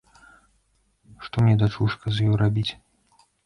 Што мне, дачушка, з ёю рабіць?